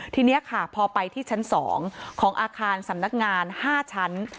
ทีนี้ค่ะพอไปที่ชั้น๒ของอาคารสำนักงาน๕ชั้น